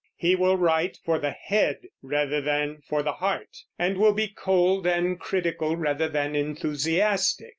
He will write for the head rather than for the heart, and will be cold and critical rather than enthusiastic.